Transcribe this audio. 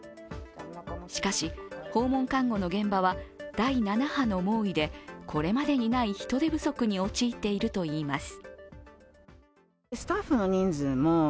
しかし、訪問看護の現場は第７波の猛威でこれまでにない人手不足に陥っているといいます。